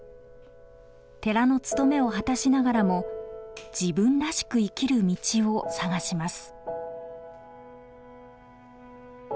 寺の務めを果たしながらも自分らしく生きる道を探します。